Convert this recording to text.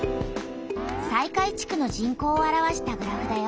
西海地区の人口を表したグラフだよ。